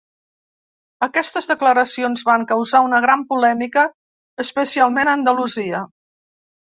Aquestes declaracions van causar una gran polèmica, especialment a Andalusia.